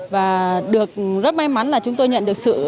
và được rất may mắn là chúng tôi nhận được sự